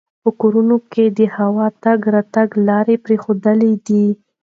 په کورونو کې د هوا د تګ راتګ لاره پریږدئ.